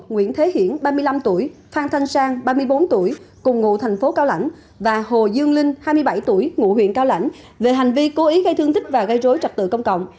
nguyễn thế hiển ba mươi năm tuổi phan thanh sang ba mươi bốn tuổi cùng ngụ thành phố cao lãnh và hồ dương linh hai mươi bảy tuổi ngụ huyện cao lãnh về hành vi cố ý gây thương tích và gây rối trật tự công cộng